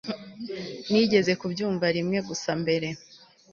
nigeze kubyumva rimwe gusa mbere